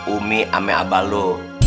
umi sama abah lu